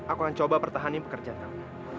aku akan mencoba untuk mempertahankan pekerjaan kamu